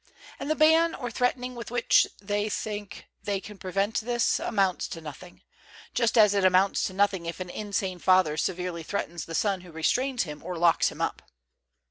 And the ban or threatening with which they think they can prevent this, amounts to nothing; just as it amounts to nothing if an insane father severely threatens the son who restrains him or locks him up.